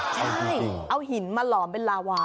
เก่งครับเอาหินมาหล่อมเป็นลาวา